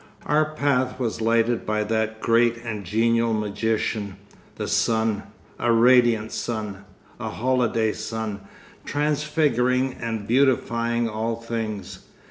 Our path was lighted by that great and genial magician, the sun a radiant sun, a holiday sun, transfiguring and beautifying all things.